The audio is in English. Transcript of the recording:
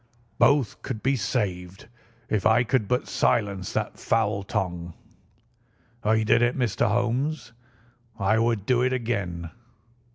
Both could be saved if I could but silence that foul tongue. I did it, Mr. Holmes. I would do it again.